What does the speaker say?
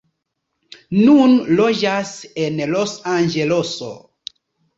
Nun loĝas en Los-Anĝeleso.